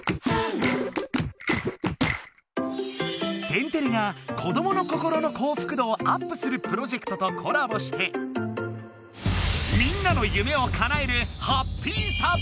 天てれが「子どもの心の幸福度をアップするプロジェクト」とコラボしてみんなの夢をかなえるハッピーサプライズ！